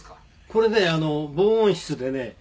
「これね防音室でね